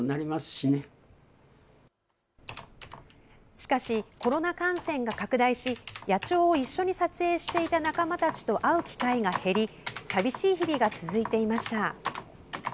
しかしコロナ感染が拡大し野鳥を一緒に撮影していた仲間たちと会う機会が減り寂しい日々が続いていました。